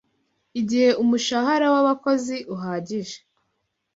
igihe umushahara w'abakozi uhagije